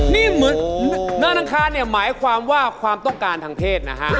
เนินน้างคานเนี่ยหมายความว่าความต้องการทางเพศนะฮะ